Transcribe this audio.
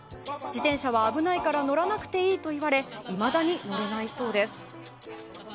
自転車は危ないから乗らなくていいといわれいまだに乗れないそうです。